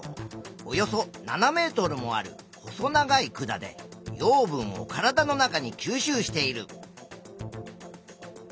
およそ７ｍもある細長い管で養分を体の中に吸収している。